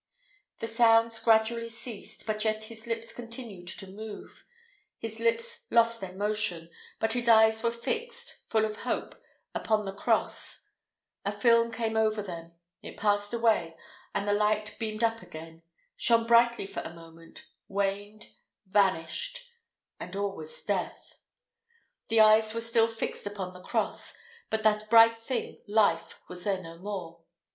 The sounds gradually ceased, but yet his lips continued to move; his lips lost their motion, but his eyes were fixed, full of hope, upon the cross; a film came over them; it passed away, and the light beamed up again shone brightly for a moment waned vanished and all was death. The eyes were still fixed upon the cross, but that bright thing, life, was there no more.